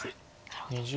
なるほど。